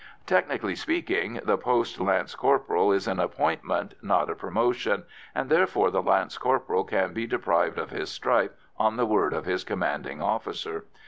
Technically speaking, the post of lance corporal is an appointment, not a promotion, and therefore the lance corporal can be deprived of his stripe on the word of his commanding officer.